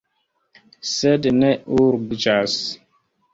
Sed ne urĝas.